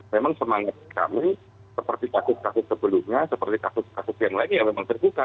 memang semangat kami seperti kasus kasus sebelumnya seperti kasus kasus yang lain ya memang terbuka